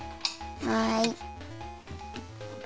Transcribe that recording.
はい。